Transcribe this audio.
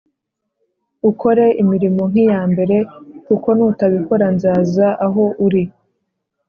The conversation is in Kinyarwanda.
ukore imirimo nk’iya mbere kuko nutabikora nzaza aho uri,